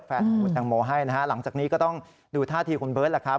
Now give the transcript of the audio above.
แฟนของคุณแตงโมให้นะฮะหลังจากนี้ก็ต้องดูท่าทีคุณเบิร์ตแหละครับ